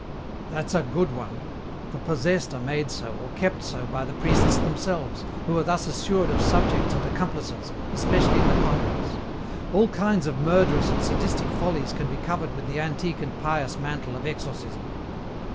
"That's a good one. The 'possessed' are made so or kept so by the priests themselves, who are thus assured of subjects and accomplices, especially in the convents. All kinds of murderous and sadistic follies can be covered with the antique and pious mantle of exorcism."